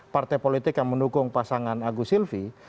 partai politik yang mendukung pasangan agus silvi